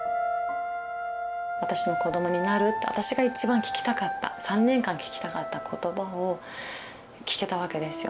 「私の子どもになる？」って私が一番聞きたかった３年間聞きたかった言葉を聞けたわけですよ。